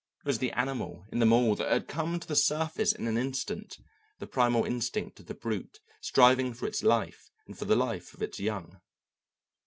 It was the animal in them all that had come to the surface in an instant, the primal instinct of the brute striving for its life and for the life of its young.